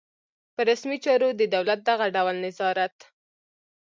پر رسمي چارو د دولت دغه ډول نظارت.